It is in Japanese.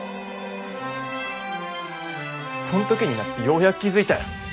そん時になってようやく気付いたよ。